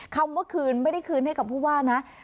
คำว่าคืนไม่ได้คืนให้กับผู้ว่านะ